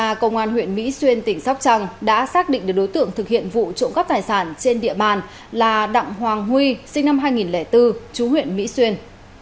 điều trà công an huyện mỹ xuân tỉnh sóc trăng đã xác định được đối tượng thực hiện vụ trộm gắp tài sản trên địa bàn là đặng hoàng huy sinh năm hai nghìn bốn chú huyện mỹ xuân